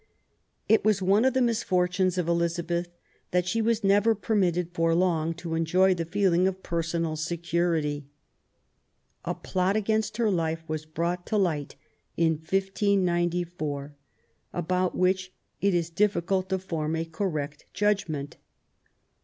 It was one of the misfortunes of Elizabeth that she was never permitted for long to enjoy the feeling of personal security. A plot against her life was brought to light in 1594, about which it is difiicult to form a correct judgment.